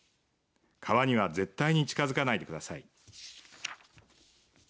川には絶対に近づかないでください。